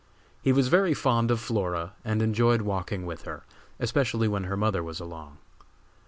He was very fond of Flora and enjoyed walking with her, especially when her mother was along.